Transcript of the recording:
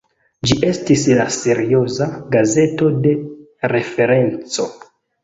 Ĝi estis la serioza "gazeto de referenco".